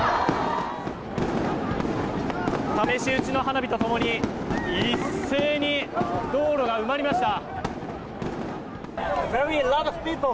試し打ちの花火と共に一斉に道路が埋まりました。